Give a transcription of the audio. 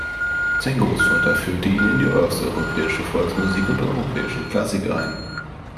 Sein Großvater führte ihn in die osteuropäische Volksmusik und europäische Klassik ein.